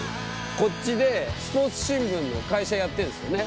こっちでスポーツ新聞の会社やってんですよね。